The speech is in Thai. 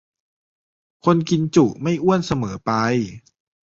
คนกินจุไม่อ้วนเสมอไป